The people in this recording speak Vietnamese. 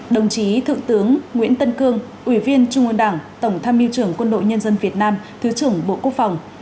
đồng chí thượng tướng nguyễn tân cương ủy viên trung ương đảng tổng tham mưu trưởng quân đội nhân dân việt nam thứ trưởng bộ quốc phòng